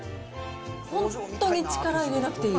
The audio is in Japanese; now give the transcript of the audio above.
本当に力入れなくていい。